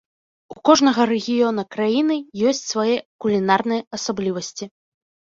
У кожнага рэгіёна краіны ёсць свае кулінарныя асаблівасці.